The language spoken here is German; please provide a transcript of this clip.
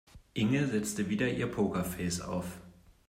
Inge setzte wieder ihr Pokerface auf.